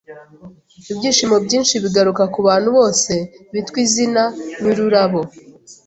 Ibyishimo byinshi bigaruka kubantu bose bitwa izina ryururabo!